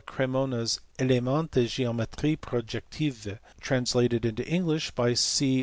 Cremona s Elements de geometrie protective, translated into English by C.